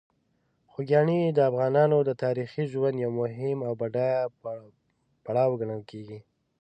خوږیاڼي د افغانانو د تاریخي ژوند یو مهم او بډایه پړاو ګڼل کېږي.